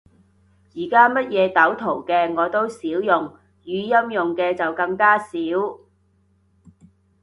而家乜嘢鬥圖嘅，我都少用，語音用嘅就更加少